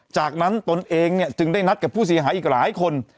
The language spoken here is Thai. จากนั้นตนเองเนี่ยจึงได้นัดกับผู้เสียหายอีกหลายคน